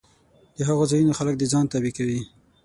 د هغو ځایونو خلک د ځان تابع کوي